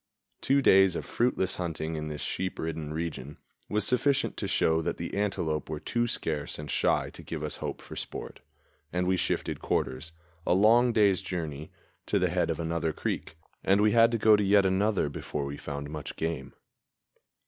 Two days of fruitless hunting in this sheep ridden region was sufficient to show that the antelope were too scarce and shy to give us hope for sport, and we shifted quarters, a long day's journey, to the head of another creek; and we had to go to yet another before we found much game.